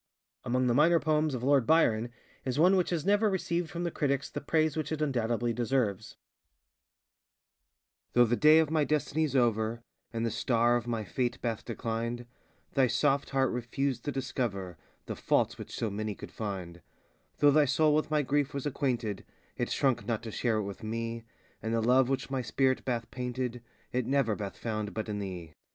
Among the minor poems of Lord Byron is one which has never received from the critics the praise which it undoubtedly deserves:ŌĆö Though the day of my destinyŌĆÖs over, And the star of my fate bath declined Thy soft heart refused to discover The faults which so many could find; Though thy soul with my grief was acquainted, It shrunk not to share it with me, And the love which my spirit bath painted It never bath found but in _thee.